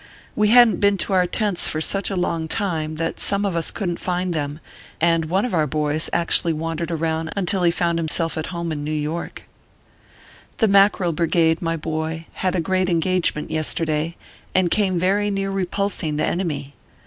We hadn t been to our tents for such a long time, that some of us couldn t find them, ORPHEUS C. KERR PAPERS. 91 and one of our boys actually wandered around until he found himself at home in New York. The Mackerel Brigade, my boy, had a great engage ment yesterday, and came very near repulsing the enemy.